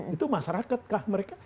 itu masyarakat kah mereka